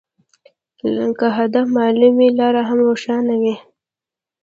که هدف معلوم وي، لار هم روښانه وي.